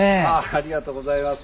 ありがとうございます。